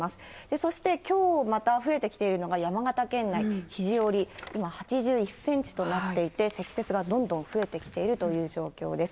そして、きょうまた増えてきているのが山形県内肘折、今、８１センチとなっていて、積雪がどんどん増えてきているという状況です。